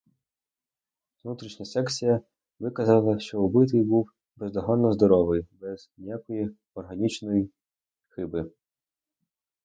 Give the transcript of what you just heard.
Внутрішня секція виказала, що убитий був бездоганно здоровий, без ніякої органічної хиби.